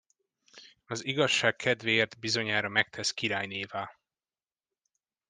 Az igazság kedvéért bizonyára megtesz királynévá.